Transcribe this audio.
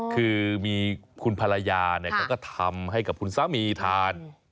คือมีคุณภรรยาเขาก็ทำให้กับคุณสามีทาน